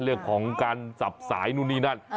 เรื่องของการสับสายนู่นนี่นั่น